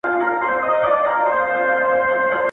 • راستي کمي نه لري.